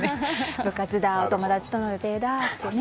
部活だ、お友達との予定だってね。